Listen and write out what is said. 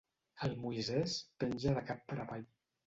El Moisès penja de cap per avall.